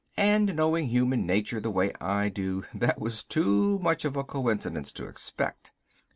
And knowing human nature the way I do, that was too much of a coincidence to expect.